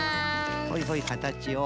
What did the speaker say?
ほいほいかたちを。